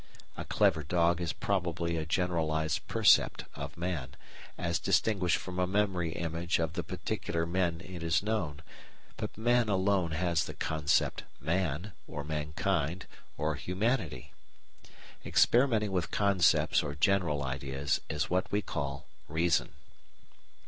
A clever dog has probably a generalised percept of man, as distinguished from a memory image of the particular men it has known, but man alone has the concept Man, or Mankind, or Humanity. Experimenting with concepts or general ideas is what we call Reason.